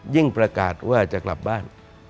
ประกาศว่าจะกลับบ้าน